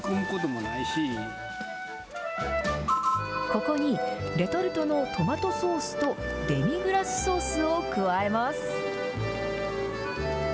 ここにレトルトのトマトソースとデミグラスソースを加えます。